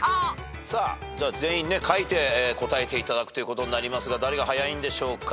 全員書いて答えていただくということになりますが誰が早いんでしょうか？